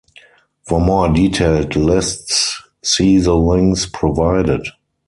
For more detailed lists, see the links provided.